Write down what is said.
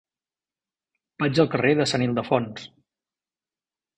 Vaig al carrer de Sant Ildefons.